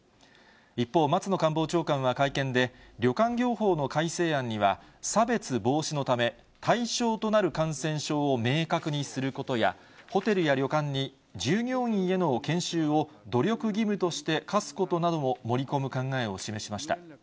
一方、松野官房長官は会見で、旅館業法の改正案には、差別防止のため、対象となる感染症を明確にすることや、ホテルや旅館に従業員への研修を努力義務として課すことなどを盛り込む考えを示しました。